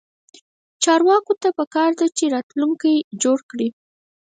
چارواکو ته پکار ده چې، راتلونکی جوړ کړي